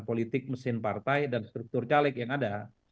politik mesin partai dan struktur caleg yang ada